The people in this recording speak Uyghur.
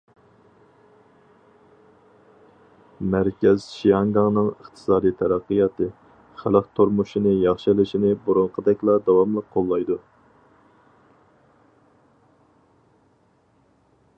مەركەز شياڭگاڭنىڭ ئىقتىسادىي تەرەققىياتى، خەلق تۇرمۇشىنى ياخشىلىشىنى بۇرۇنقىدەكلا داۋاملىق قوللايدۇ.